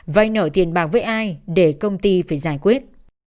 vây nở tiền bạc với ai để công ty phải giải quyết